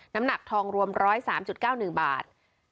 น้ำหนักทองรวม๑๐๓๙๑บาท